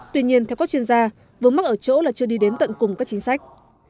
tuy nhiên theo các chuyên gia vướng mắt ở chỗ là chưa đi đến tận cùng các chính sách